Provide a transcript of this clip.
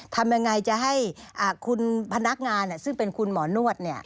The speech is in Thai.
ทำยังไงจะให้คุณพนักงานซึ่งเป็นคุณหมอนวด